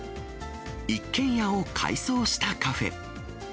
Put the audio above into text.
一軒家を改装したカフェ。